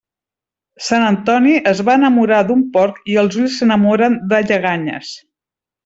Sant Antoni es va enamorar d'un porc i els ulls s'enamoren de lleganyes.